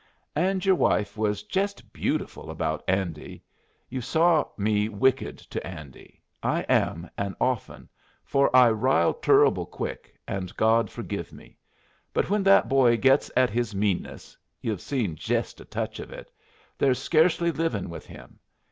"And your wife was jest beautiful about Andy. You've saw me wicked to Andy. I am, and often, for I rile turruble quick, and God forgive me! But when that boy gits at his meanness yu've seen jest a touch of it there's scarcely livin' with him.